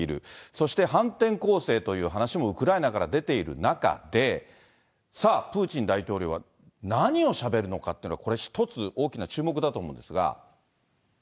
そして反転攻勢という話もウクライナから出ている中で、さあ、プーチン大統領は何をしゃべるのかって、これ一つ、大きな注目だと思うんですが。